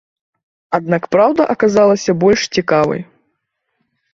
Аднак праўда аказалася больш цікавай.